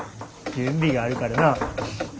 準備があるからな。